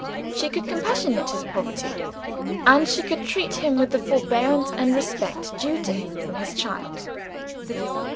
She could compassionate his poverty, and she could treat him with the forbearance and respect due to him from his child.